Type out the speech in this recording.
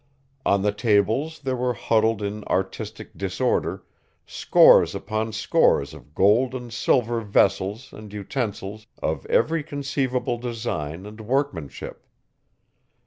On the tables there were huddled in artistic disorder scores upon scores of gold and silver vessels and utensils of every conceivable design and workmanship.